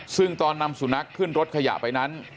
ซึ่งตอนนำสุนัขขึ้นรถขยะไปนั้น